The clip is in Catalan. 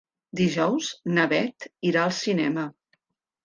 Dijous na Bet irà al cinema.